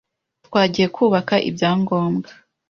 twagiye kubaka ibyangombwa